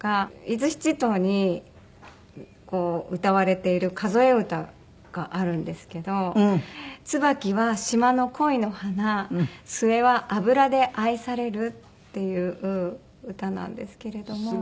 伊豆七島に歌われている数え歌があるんですけど「椿は島の恋の花末は油で愛される」っていう歌なんですけれども。